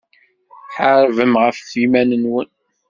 Ḥarbem ɣef yiman-nwen.